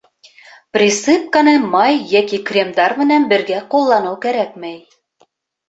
Присыпканы май йәки кремдар менән бергә ҡулланыу кәрәкмәй.